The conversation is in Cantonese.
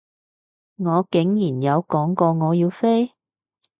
我竟然有講過我要飛？